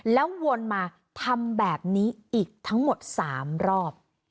แล้ววนมาทำแบบนี้อีกทั้งหมด๓รอบ